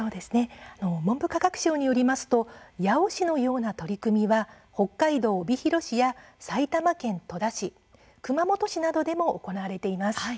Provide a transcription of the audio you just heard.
文部科学省によりますと八尾市のような取り組みは北海道帯広市や埼玉県戸田市熊本市などでも行われています。